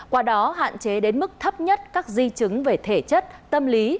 qua đó hạn chế đến mức thấp nhất các di chứng về thể chất tâm lý